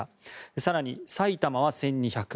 更に埼玉は１２００